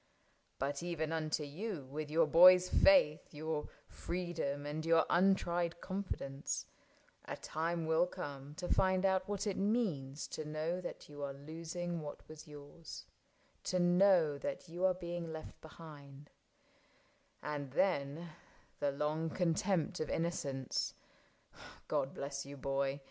But even unto you, with your boy's faith, Your freedom, and your untried confidence, A time will come to find out what it means To know that you are losing what was yours, To know that you are being left behind ; And then the long contempt of innocence — God bless you, boy